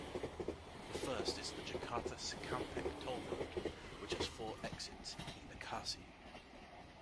The first is the Jakarta-Cikampek Toll Road, which has four exits in Bekasi.